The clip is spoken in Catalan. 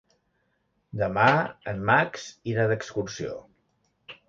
Demà en Max irà d'excursió.